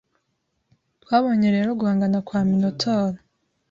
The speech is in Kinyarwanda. Twabonye rero guhangana kwa Minotaur